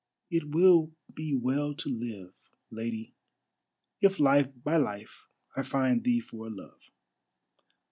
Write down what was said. "It will be well to live, Lady, if life by life I find thee for a love."